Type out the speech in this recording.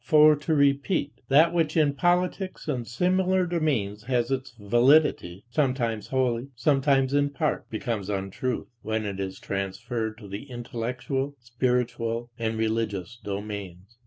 For to repeat: that which in politics and similar domains has its validity, sometimes wholly, sometimes in part, becomes untruth, when it is transferred to the intellectual, spiritual, and religious domains.